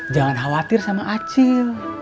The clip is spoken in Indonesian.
jangan khawatir sama acil